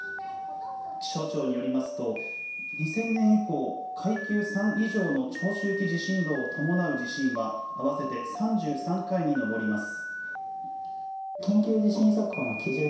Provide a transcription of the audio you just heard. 気象庁によりますと２０００年以降、階級３以上の長周期地震動を伴う地震は合わせて３３回に上ります。